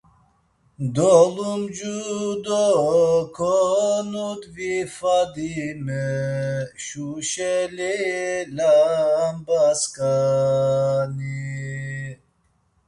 Dolumcu do konudvi Fadime, şuşeli lambasǩani.